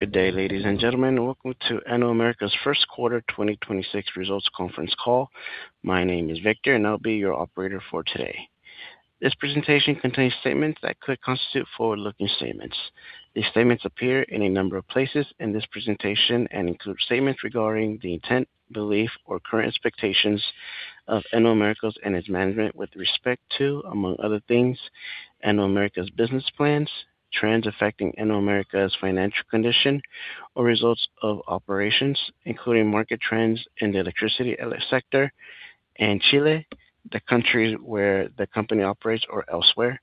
Good day, ladies and gentlemen. Welcome to Enel Américas' Q1 2026 results conference call. My name is Victor, and I'll be your operator for today. This presentation contains statements that could constitute forward-looking statements. These statements appear in a number of places in this presentation and include statements regarding the intent, belief, or current expectations of Enel Américas and its management with respect to, among other things, Enel Américas' business plans, trends affecting Enel Américas' financial condition or results of operations, including market trends in the electricity sector and Chile, the countries where the company operates or elsewhere,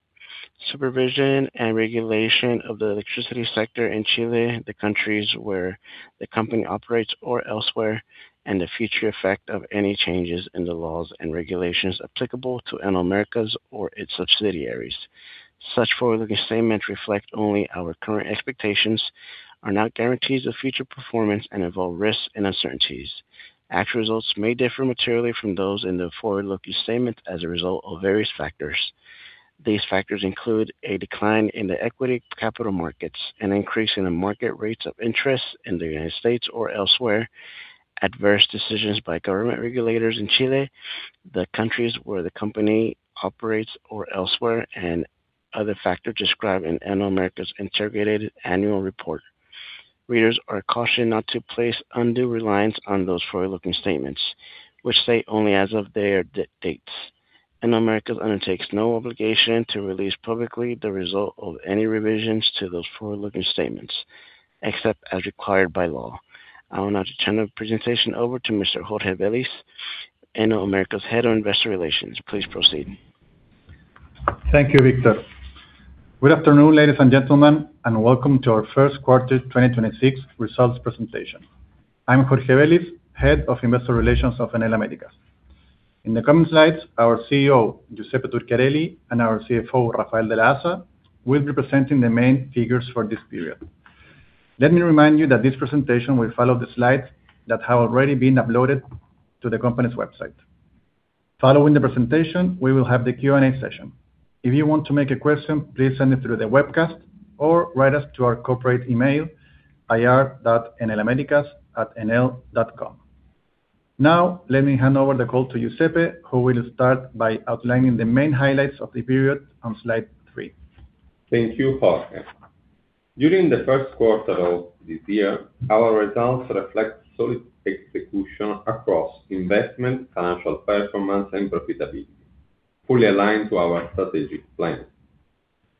supervision and regulation of the electricity sector in Chile, the countries where the company operates or elsewhere, and the future effect of any changes in the laws and regulations applicable to Enel Américas or its subsidiaries. Such forward-looking statements reflect only our current expectations, are not guarantees of future performance, and involve risks and uncertainties. Actual results may differ materially from those in the forward-looking statements as a result of various factors. These factors include a decline in the equity capital markets, an increase in the market rates of interest in the United States or elsewhere, adverse decisions by government regulators in Chile, the countries where the company operates or elsewhere, and other factors described in Enel Américas' integrated annual report. Readers are cautioned not to place undue reliance on those forward-looking statements, which state only as of their dates. Enel Américas undertakes no obligation to release publicly the result of any revisions to those forward-looking statements, except as required by law. I will now turn the presentation over to Mr. Jorge Velis, Enel Américas' Head of Investor Relations. Please proceed. Thank you, Victor. Good afternoon, ladies and gentlemen, welcome to our Q1 2026 results presentation. I'm Jorge Velis, Head of Investor Relations of Enel Américas. In the coming slides, our CEO, Giuseppe Turchiarelli, and our CFO, Rafael de la Haza, will be presenting the main figures for this period. Let me remind you that this presentation will follow the slides that have already been uploaded to the company's website. Following the presentation, we will have the Q&A session. If you want to make a question, please send it through the webcast or write us to our corporate email, ir.enelamericas@enel.com. Let me hand over the call to Giuseppe, who will start by outlining the main highlights of the period on slide three. Thank you, Jorge. During the Q1 of this year, our results reflect solid execution across investment, financial performance, and profitability, fully aligned to our strategic plan.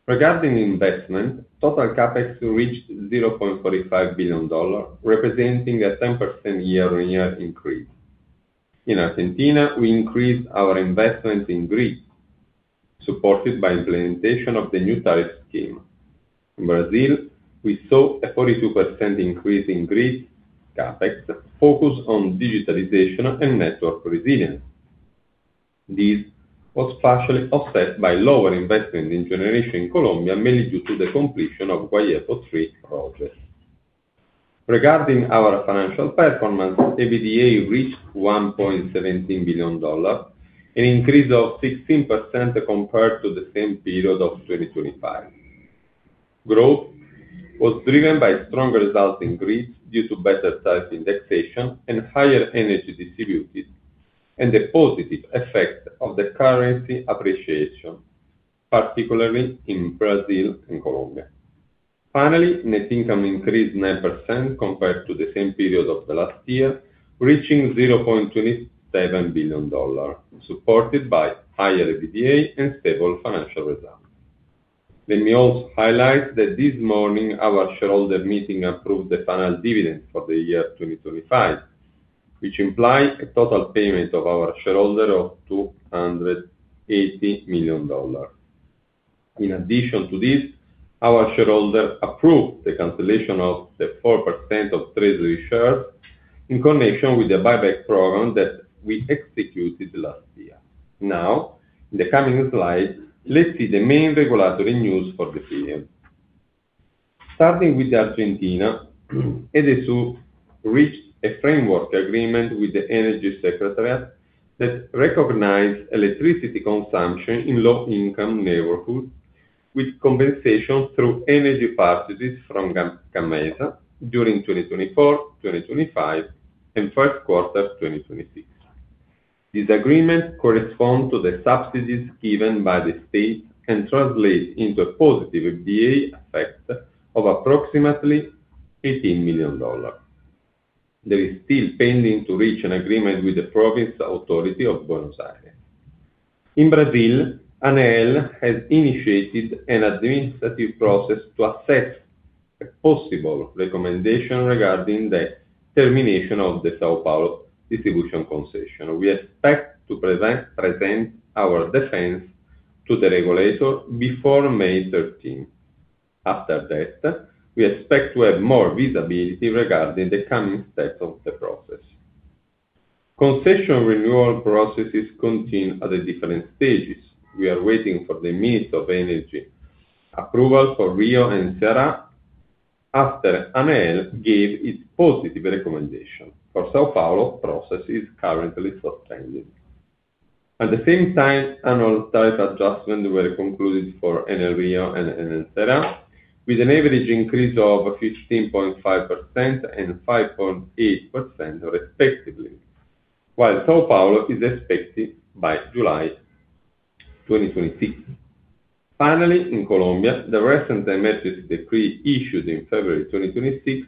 Regarding investment, total CapEx reached $0.45 billion, representing a 10% year-on-year increase. In Argentina, we increased our investment in grid, supported by implementation of the new tariff scheme. In Brazil, we saw a 42% increase in grid CapEx focused on digitalization and network resilience. This was partially offset by lower investment in generation in Colombia, mainly due to the completion of Guayepo III project. Regarding our financial performance, EBITDA reached $1.17 billion, an increase of 16% compared to the same period of 2025. Growth was driven by strong results in grid due to better tariff indexation and higher energy distributed, and the positive effect of the currency appreciation, particularly in Brazil and Colombia. Finally, net income increased 9% compared to the same period of the last year, reaching $0.27 billion, supported by higher EBITDA and stable financial results. Let me also highlight that this morning, our shareholder meeting approved the final dividend for the year 2025, which implies a total payment of our shareholder of $280 million. In addition to this, our shareholder approved the cancellation of the 4% of treasury shares in connection with the buyback program that we executed last year. In the coming slide, let's see the main regulatory news for the period. Starting with Argentina, Edesur reached a framework agreement with the Energy Secretariat that recognized electricity consumption in low-income neighborhoods with compensation through energy purchases from CAMMESA during 2024, 2025, and Q1 2026. This agreement corresponds to the subsidies given by the state and translates into a positive EBITDA effect of approximately $18 million. There is still pending to reach an agreement with the province authority of Buenos Aires. In Brazil, ANEEL has initiated an administrative process to assess a possible recommendation regarding the termination of the São Paulo distribution concession. We expect to present our defense to the regulator before May 13th. We expect to have more visibility regarding the coming steps of the process. Concession renewal processes continue at the different stages. We are waiting for the Minister of Energy approval for Rio and Ceará after ANEEL gave its positive recommendation. For São Paulo, process is currently suspended. At the same time, annual tariff adjustments were concluded for Enel Rio and Enel Ceará, with an average increase of 15.5% and 5.8% respectively, while São Paulo is expected by July 2026. Finally, in Colombia, the recent domestic decree issued in February 2026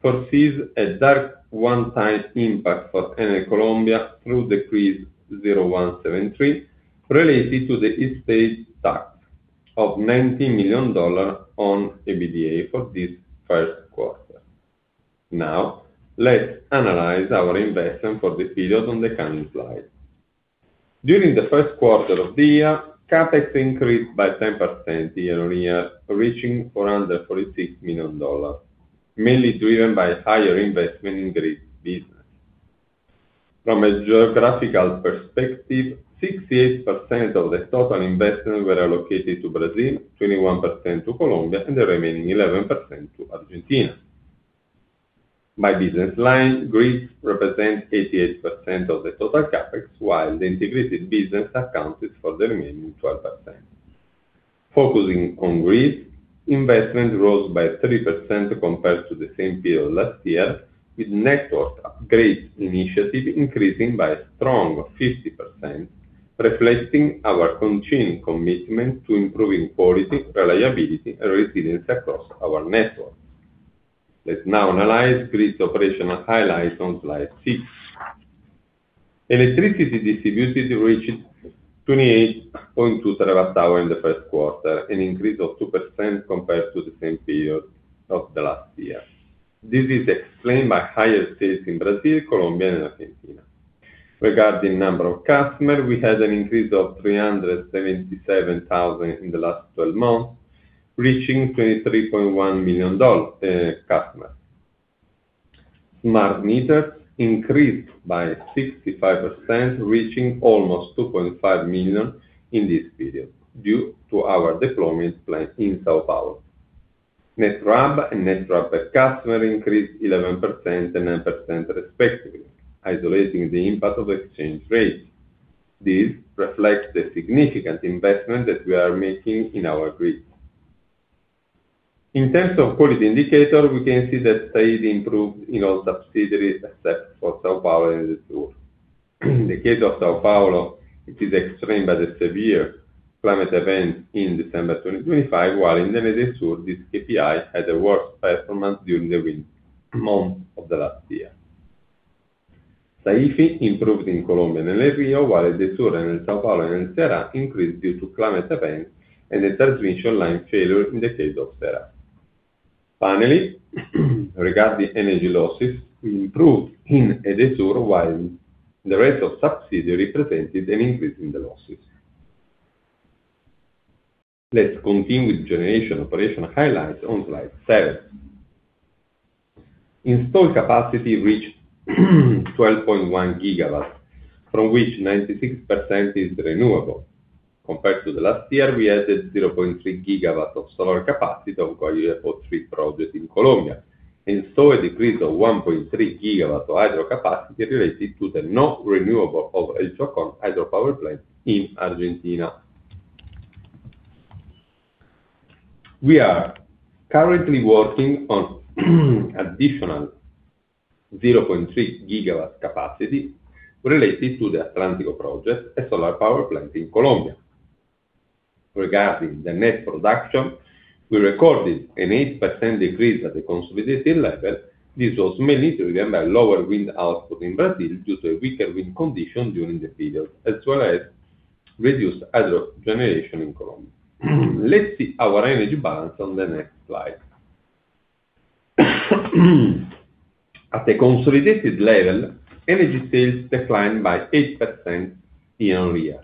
foresees a direct one-time impact for Enel Colombia through Decree 0173 related to the wealth tax of $90 million on EBITDA for this Q1. Now, let's analyze our investment for the period on the coming slide. During the Q1 of the year, CapEx increased by 10% year-on-year, reaching $446 million, mainly driven by higher investment in grid business. From a geographical perspective, 68% of the total investments were allocated to Brazil, 21% to Colombia, and the remaining 11% to Argentina. By business line, grids represent 88% of the total CapEx, while the integrated business accounted for the remaining 12%. Focusing on grid, investment rose by 3% compared to the same period last year, with network upgrade initiative increasing by a strong 50%, reflecting our continued commitment to improving quality, reliability, and resilience across our network. Let's now analyze grid operational highlights on slide six. Electricity distributed reached 28.2 TWh in the Q1, an increase of 2% compared to the same period of the last year. This is explained by higher sales in Brazil, Colombia, and Argentina. Regarding number of customers, we had an increase of 377,000 in the last 12 months, reaching 23.1 million customers. Smart meters increased by 65%, reaching almost 2.5 million in this period, due to our deployment plan in São Paulo. Net RAB and Net RAB per customer increased 11% and 9% respectively, isolating the impact of exchange rates. This reflects the significant investment that we are making in our grid. In terms of quality indicator, we can see that SAIDI improved in all subsidiaries except for São Paulo and Edesur. In the case of São Paulo, it is explained by the severe climate event in December 2025, while in Edesur, this KPI had a worse performance during the winter months of the last year. SAIFI improved in Colombia and Enel Rio, while Edesur and São Paulo and Enel Ceará increased due to climate events and a transmission line failure in the case of Ceará. Finally, regarding energy losses, improved in Edesur, while the rest of subsidiary presented an increase in the losses. Let's continue with generation operational highlights on slide seven. Installed capacity reached 12.1 GW, from which 96% is renewable. Compared to the last year, we added 0.3 GW of solar capacity on portfolio 3 projects in Colombia, and saw a decrease of 1.3 GW of hydro capacity related to the non-renewal of El Chocón hydropower plant in Argentina. We are currently working on additional 0.3 GW capacity related to the Guayepo project, a solar power plant in Colombia. Regarding the net production, we recorded an 8% decrease at the consolidated level. This was mainly driven by lower wind output in Brazil due to a weaker wind condition during the period, as well as reduced hydro generation in Colombia. Let's see our energy balance on the next slide. At a consolidated level, energy sales declined by 8% year-on-year.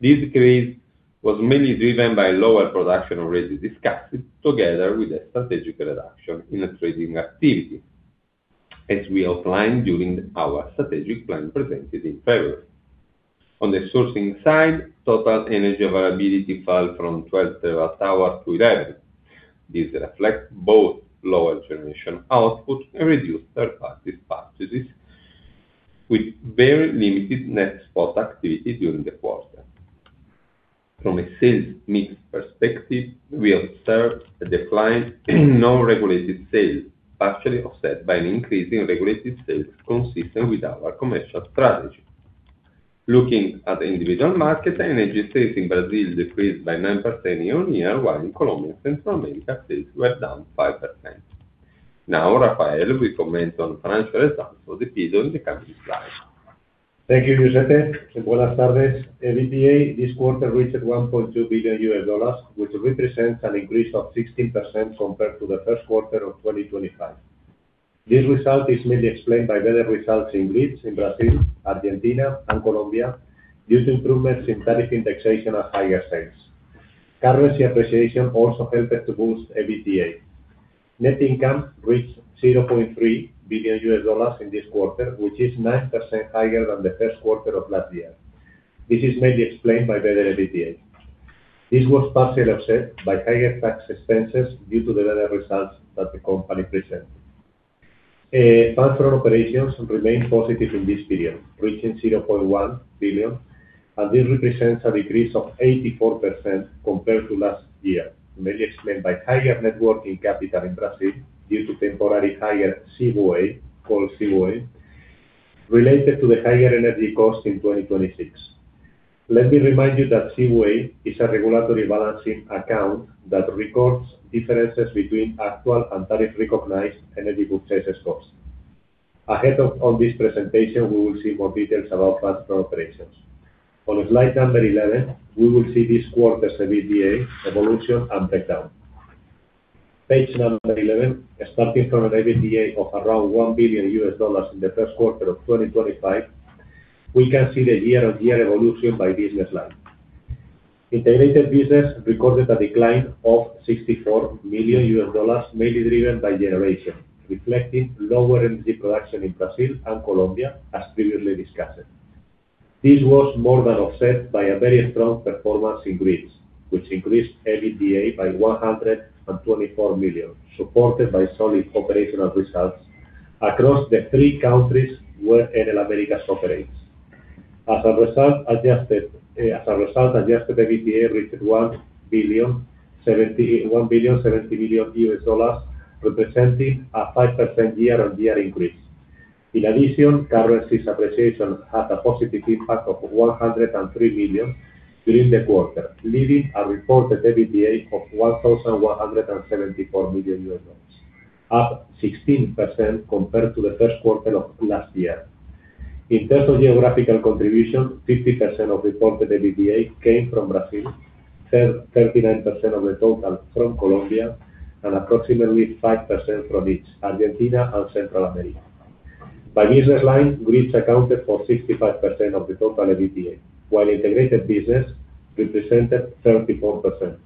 This decrease was mainly driven by lower production already discussed, together with a strategic reduction in our trading activity, as we outlined during our strategic plan presented in February. On the sourcing side, total energy availability fell from 12 TWh to 11 TWh. This reflects both lower generation output and reduced third party purchases, with very limited net spot activity during the quarter. From a sales mix perspective, we observed a decline in non-regulated sales, partially offset by an increase in regulated sales consistent with our commercial strategy. Looking at individual markets, energy sales in Brazil decreased by 9% year-on-year, while in Colombia and Central America, sales were down 5%. Now, Rafael will comment on financial results for the period in the coming slides. Thank you, Giuseppe Turchiarelli. Buenas tardes. EBITDA this quarter reached $1.2 billion, which represents an increase of 16% compared to the Q1 of 2025. This result is mainly explained by better results in grids in Brazil, Argentina, and Colombia due to improvements in tariff indexation and higher sales. Currency appreciation also helped to boost EBITDA. Net income reached $0.3 billion in this quarter, which is 9% higher than the Q1 of last year. This is mainly explained by better EBITDA. This was partially offset by higher tax expenses due to the better results that the company presented. Cash from operations remained positive in this period, reaching $0.1 billion. This represents a decrease of 84% compared to last year, mainly explained by higher net working capital in Brazil due to temporarily higher CVAs related to the higher energy cost in 2026. Let me remind you that CVA is a regulatory balancing account that records differences between actual and tariff recognized energy purchases cost. On this presentation, we will see more details about platform operations. On slide 11, we will see this quarter's EBITDA evolution and breakdown. Page 11, starting from an EBITDA of around $1 billion in the Q1 of 2025, we can see the year-over-year evolution by business line. Integrated business recorded a decline of $64 million, mainly driven by generation, reflecting lower energy production in Brazil and Colombia, as previously discussed. This was more than offset by a very strong performance in grids, which increased EBITDA by $124 million, supported by solid operational results across the three countries where Enel Américas operates. As a result, adjusted EBITDA reached $1,070 million, representing a 5% year-on-year increase. Currency appreciation had a positive impact of $103 million during the quarter, leaving a reported EBITDA of $1,174 million, up 16% compared to the Q1 of last year. In terms of geographical contribution, 50% of reported EBITDA came from Brazil, 39% of the total from Colombia, and approximately 5% from each Argentina and Central America. By business line, grids accounted for 65% of the total EBITDA, while integrated business represented 34%,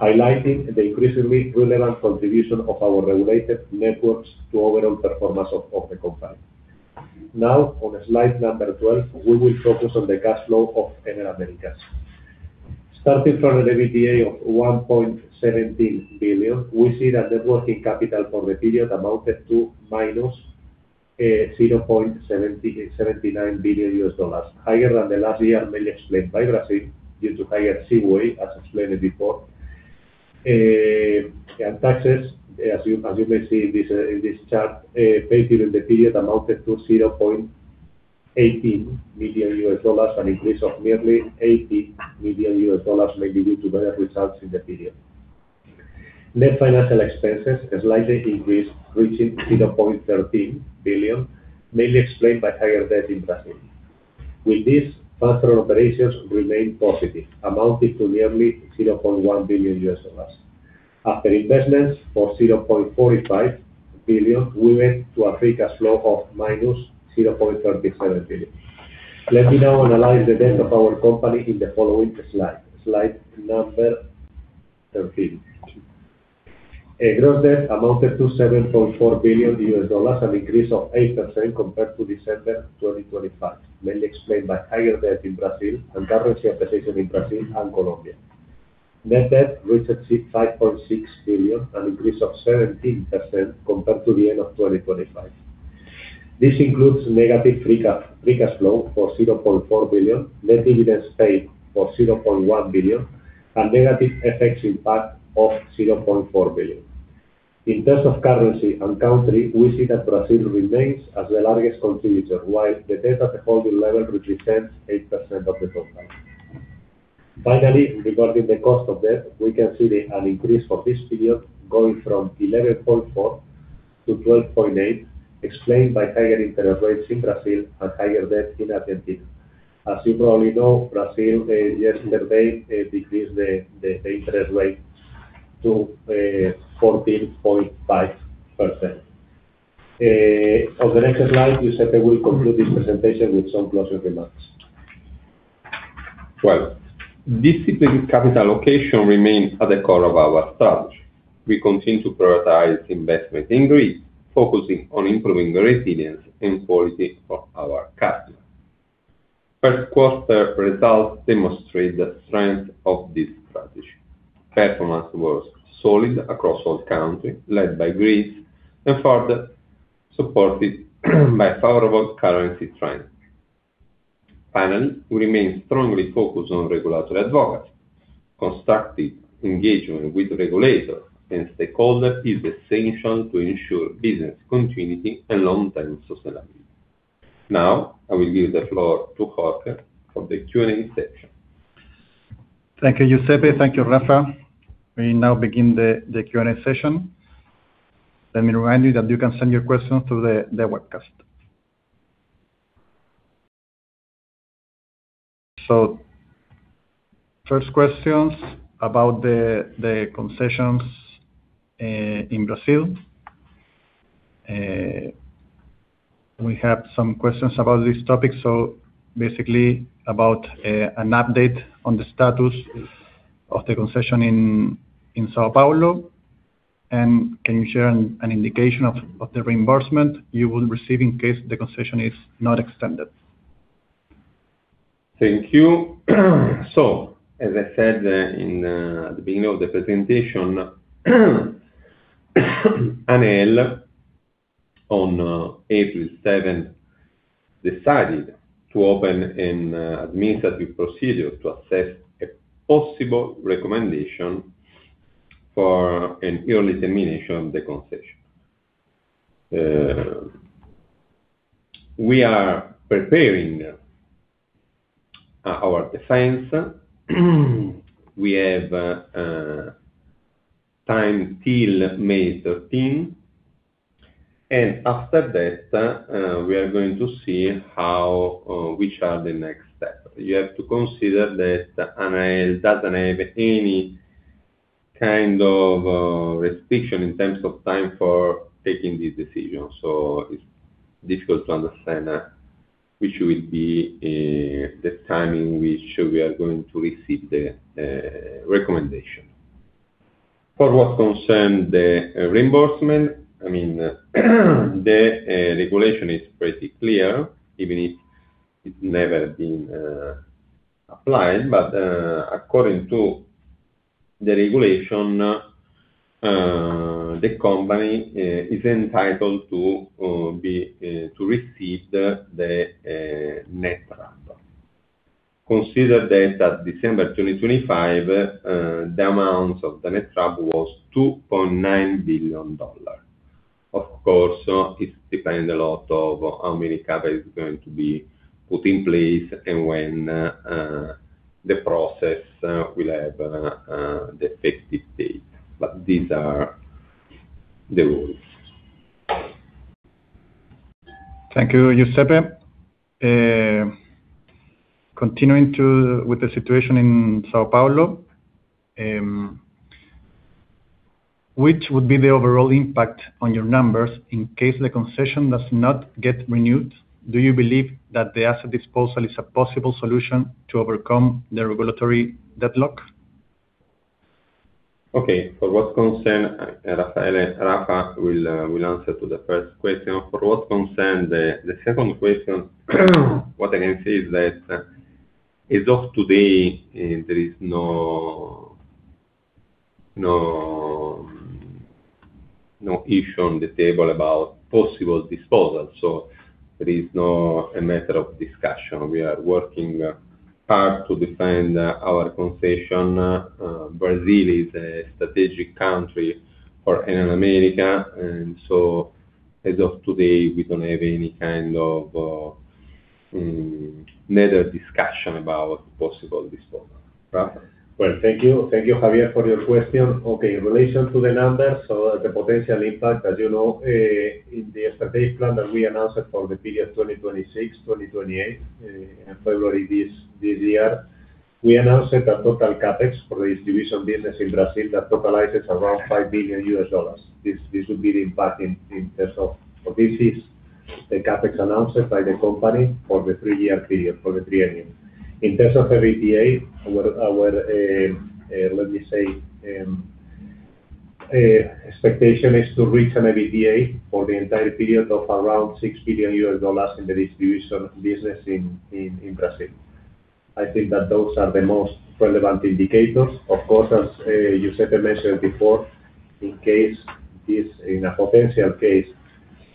highlighting the increasingly relevant contribution of our regulated networks to overall performance of the company. Now, on slide number 12, we will focus on the cash flow of Enel Américas. Starting from an EBITDA of $1.17 billion, we see that net working capital for the period amounted to -$0.79 billion, higher than the last year, mainly explained by Brazil due to higher CVA, as explained before. Taxes, as you may see in this chart, paid during the period amounted to $0.18 billion, an increase of nearly $80 million, mainly due to better results in the period. Net financial expenses slightly increased, reaching $0.13 billion, mainly explained by higher debt in Brazil. With this, cash flow operations remain positive, amounting to nearly $0.1 billion US dollars. After investments for $0.45 billion, we went to a free cash flow of -$0.37 billion. Let me now analyze the debt of our company in the following slide. Slide number 13. A gross debt amounted to $7.4 billion US dollars, an increase of 8% compared to December 2025, mainly explained by higher debt in Brazil and currency appreciation in Brazil and Colombia. Net debt reached $5.6 billion, an increase of 17% compared to the end of 2025. This includes negative free cash flow for $0.4 billion, net dividends paid for $0.1 billion, and negative FX impact of $0.4 billion. In terms of currency and country, we see that Brazil remains as the largest contributor, while the debt at the holding level represents 8% of the total. Regarding the cost of debt, we can see an increase for this period going from $11.4 billion-$12.8 billion, explained by higher interest rates in Brazil and higher debt in Argentina. As you probably know, Brazil yesterday decreased the interest rate to 14.5%. On the next slide, Giuseppe will conclude this presentation with some closing remarks. Well, disciplined capital allocation remains at the core of our strategy. We continue to prioritize investment in grids, focusing on improving resilience and quality for our customers. Q1 results demonstrate the strength of this strategy. Performance was solid across all countries, led by grids and further supported by favorable currency trends. Finally, we remain strongly focused on regulatory advocacy. Constructive engagement with regulators and stakeholders is essential to ensure business continuity and long-term sustainability. Now, I will give the floor to Jorge for the Q&A session. Thank you, Giuseppe. Thank you, Rafa. We now begin the Q&A session. Let me remind you that you can send your questions to the webcast. First questions about the concessions in Brazil. We have some questions about this topic. Basically about an update on the status of the concession in São Paulo. Can you share an indication of the reimbursement you will receive in case the concession is not extended? Thank you. As I said, in the beginning of the presentation, ANEEL, on April 7, decided to open an administrative procedure to assess a possible recommendation for an early termination of the concession. We are preparing our defense. We have time till May 13, and after that, we are going to see how which are the next steps. You have to consider that ANEEL doesn't have any kind of restriction in terms of time for taking this decision, so it's difficult to understand which will be the timing which we are going to receive the recommendation. For what concern the reimbursement, I mean, the regulation is pretty clear, even if it's never been applied. According to the regulation, the company is entitled to be to receive the Net RAB. Consider that at December 2025, the amount of the Net RAB was $2.9 billion. Of course, it depends a lot of how many CapEx is going to be put in place and when the process will have the effective date. These are the rules. Thank you, Giuseppe. Continuing with the situation in São Paulo, which would be the overall impact on your numbers in case the concession does not get renewed? Do you believe that the asset disposal is a possible solution to overcome the regulatory deadlock? Okay. For what concern Rafael de la Haza, Rafa will answer to the first question. For what concern the second question, what I can say is that, as of today, there is no issue on the table about possible disposal, so it is not a matter of discussion. We are working hard to defend our concession. Brazil is a strategic country for Enel Américas, and so as of today, we don't have any kind of matter discussion about possible disposal. Rafa? Well, thank you. Thank you, Giuseppe, for your question. Okay. In relation to the numbers, the potential impact, as you know, in the strategic plan that we announced for the period 2026, 2028, in February this year, we announced that the total CapEx for the distribution business in Brazil that totalizes around $5 billion. This would be the impact in terms of... This is the CapEx announced by the company for the three-year period, for the three annual. In terms of the EBITDA, our, let me say, expectation is to reach an EBITDA for the entire period of around $6 billion in the distribution business in Brazil. I think that those are the most relevant indicators. Of course, as Giuseppe mentioned before, in a potential case,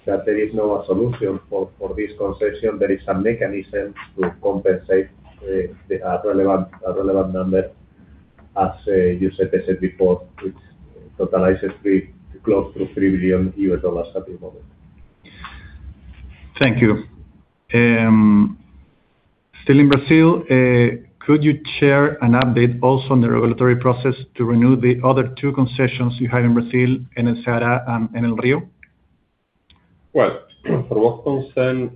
that there is no solution for this concession, there is a mechanism to compensate the relevant number, as Giuseppe said before, which totalizes three, close to $3 billion at the moment. Thank you. Still in Brazil, could you share an update also on the regulatory process to renew the other two concessions you have in Brazil, Enel Ceará and Enel Rio? Well, for what concern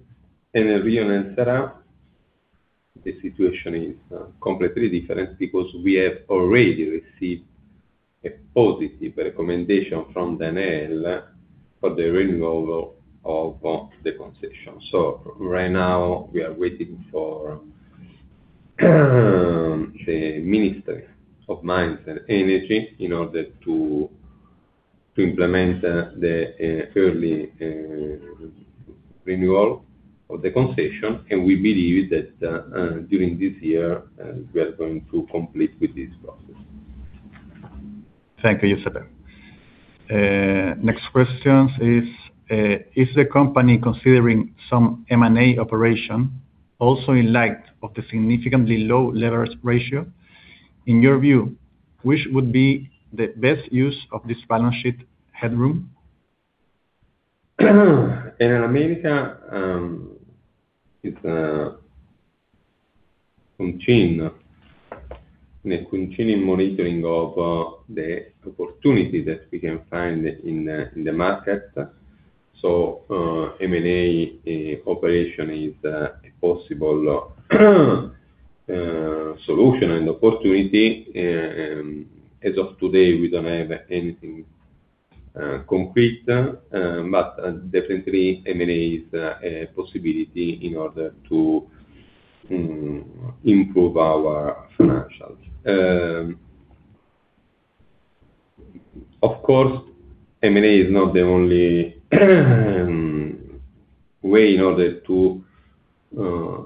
Enel Rio and Enel Ceará, the situation is completely different because we have already received a positive recommendation from ANEEL for the renewal of the concession. Right now, we are waiting for the Minister of Mines and Energy in order to implement the early renewal of the concession. We believe that during this year, we are going to complete with this process. Thank you, Giuseppe. Next question is the company considering some M&A operation also in light of the significantly low leverage ratio? In your view, which would be the best use of this balance sheet headroom? Enel Américas is continuing monitoring of the opportunity that we can find in the market. M&A operation is a possible solution and opportunity. As of today, we don't have anything concrete, but definitely M&A is a possibility in order to improve our financials. Of course, M&A is not the only way in order to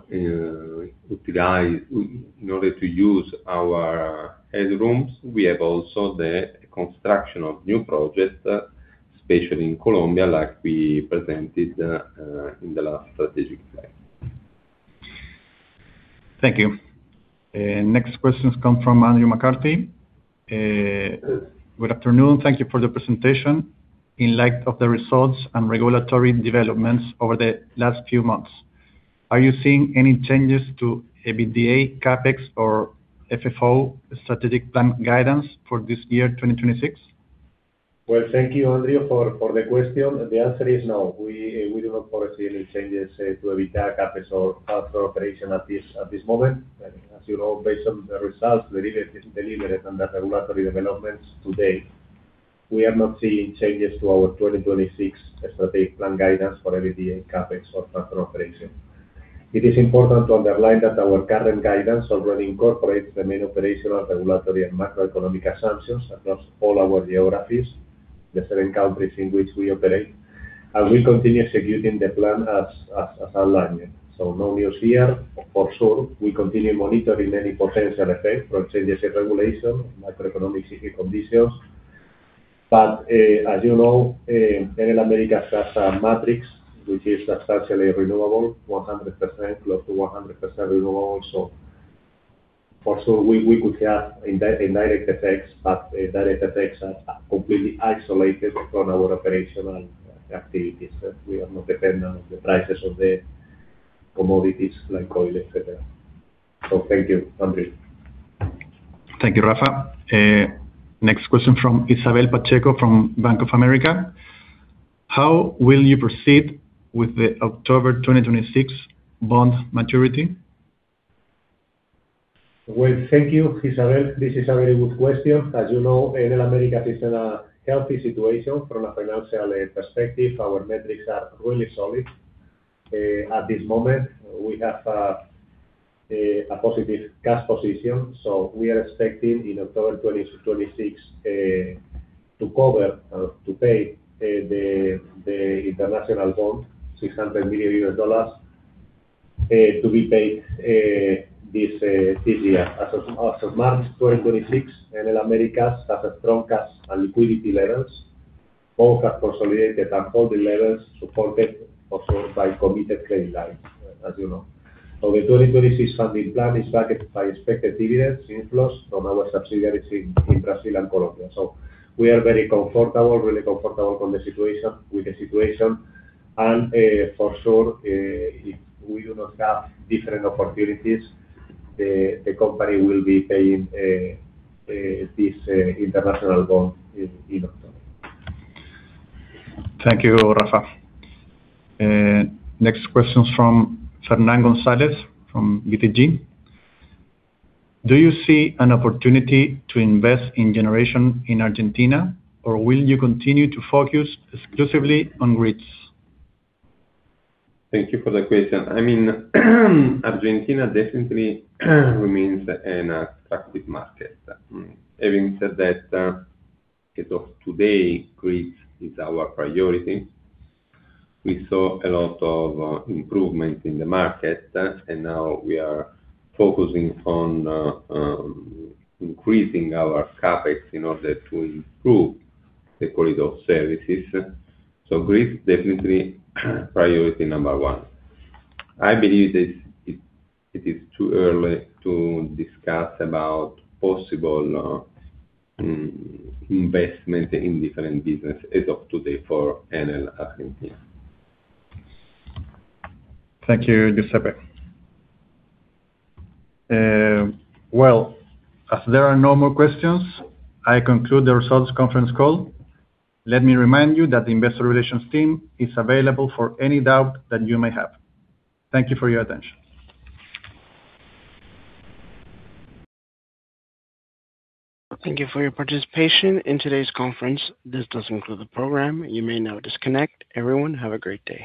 use our headrooms. We have also the construction of new projects, especially in Colombia, like we presented in the last strategic plan. Thank you. Next question comes from Andrew MacCarty. Good afternoon. Thank you for the presentation. In light of the results and regulatory developments over the last few months, are you seeing any changes to EBITDA, CapEx or FFO strategic plan guidance for this year, 2026? Well, thank you, Andrew, for the question. The answer is no. We do not foresee any changes to EBITDA, CapEx or cash flow operation at this moment. As you know, based on the results delivered under regulatory developments today, we are not seeing changes to our 2026 strategic plan guidance for EBITDA, CapEx or cash flow operation. It is important to underline that our current guidance already incorporates the main operational, regulatory and macroeconomic assumptions across all our geographies, the seven countries in which we operate, and we continue executing the plan as outlined here. No news here. For sure, we continue monitoring any potential effect from changes in regulation, macroeconomic conditions. As you know, Enel Américas has a matrix which is substantially renewable, 100%, close to 100% renewable also. We could have indirect effects. Direct effects are completely isolated from our operational activities. We are not dependent on the prices of the commodities like oil, et cetera. Thank you, Andrew. Thank you, Rafa. Next question from Isabela Pato from Bank of America. How will you proceed with the October 2026 bond maturity? Well, thank you, Isabel. This is a very good question. As you know, Enel Américas is in a healthy situation from a financial perspective. Our metrics are really solid. At this moment, we have a positive cash position, so we are expecting in October 2026 to cover to pay the international bond, $600 million, to be paid this year. As of March 2026, Enel Américas has strong cash and liquidity levels. Both have consolidated at all the levels, supported also by committed credit lines, as you know. The 2026 funding plan is backed by expected dividend inflows from our subsidiaries in Brazil and Colombia. We are very comfortable, really comfortable from the situation, with the situation. For sure, if we do not have different opportunities, the company will be paying this international bond in October. Thank you, Rafa. Next question from Fernando Gonzalez from BTG. Do you see an opportunity to invest in generation in Argentina, or will you continue to focus exclusively on grids? Thank you for the question. I mean, Argentina definitely remains an attractive market. Having said that, as of today, grid is our priority. We saw a lot of improvement in the market, and now we are focusing on increasing our CapEx in order to improve the quality of services. Grid is definitely priority number one. I believe it is too early to discuss about possible investment in different business as of today for Enel Argentina. Thank you, Giuseppe. Well, as there are no more questions, I conclude the results conference call. Let me remind you that the investor relations team is available for any doubt that you may have. Thank you for your attention. Thank you for your participation in today's conference. This does conclude the program. You may now disconnect. Everyone, have a great day.